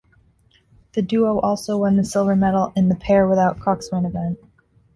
The duo also won the silver medal in the pair without coxswain event.